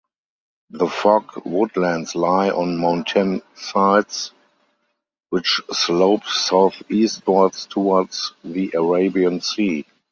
The fog woodlands lie on mountainsides which slope southeastwards towards the Arabian Sea.